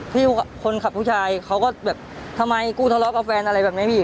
คนขับผู้ชายเขาก็แบบทำไมกูทะเลาะกับแฟนอะไรแบบนี้พี่